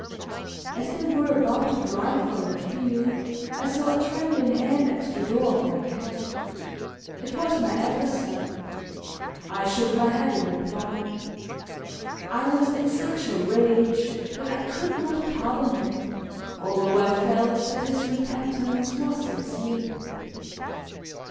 As they were about to drive from the field I saw a trembling hand at the door of my cab; it was my adversary. I shook my head in reply; I was in such a rage that I could not pardon him, although I felt that his repentance was sincere.